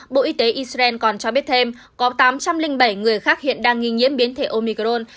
bộ y tế israel còn cho biết thêm có tám trăm linh bảy người khác hiện đang nghi nhiễm biến thể omicron